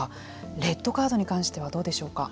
レッドカードに関してはどうでしょうか。